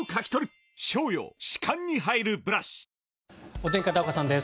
お天気、片岡さんです。